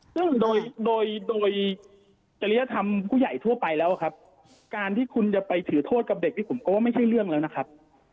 ซึ่งโดยโดยจริยธรรมผู้ใหญ่ทั่วไปแล้วครับการที่คุณจะไปถือโทษกับเด็กนี่ผมก็ว่าไม่ใช่เรื่องแล้วนะครับ